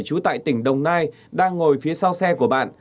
trú tại tỉnh đồng nai đang ngồi phía sau xe của bạn